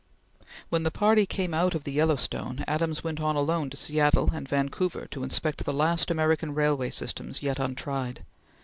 When the party came out of the Yellowstone, Adams went on alone to Seattle and Vancouver to inspect the last American railway systems yet untried.